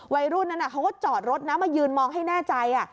วัยรุ่นนั้นเขาก็จอดรถนะมายืนมองให้แน่ใจ